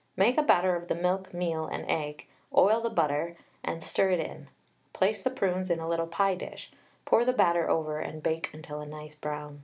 Make a batter of the milk, meal, and egg, oil the butter, and stir it in. Place the prunes in a little pie dish, pour the batter over, and bake until a nice brown.